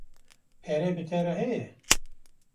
Pere bi te re heye?